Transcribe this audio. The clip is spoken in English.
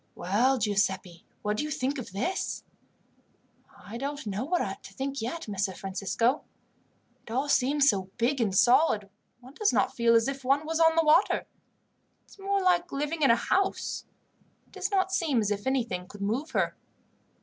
"Well, Giuseppi, what do you think of this?" "I don't know what to think yet, Messer Francisco. It all seems so big and solid one does not feel as if one was on the water. It's more like living in a house. It does not seem as if anything could move her."